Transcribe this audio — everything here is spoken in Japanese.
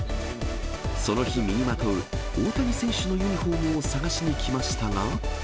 その日、身にまとう大谷選手のユニホームを探しに来ましたが。